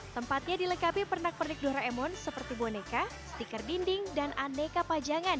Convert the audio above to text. tempatnya dilengkapi pernak pernik doraemon seperti boneka stiker dinding dan aneka pajangan